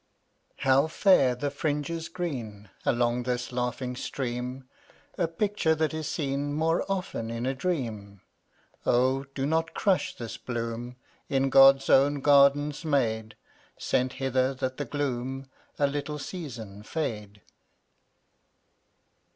123 How fair the fringes green Along this laughing stream, A picture that is seen More often in a dream. Oh, do not crush this bloom, In God's own gardens made, Sent hither that the gloom A little season fade.